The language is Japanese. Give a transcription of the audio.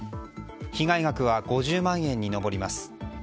被害額は５０万円に上ります。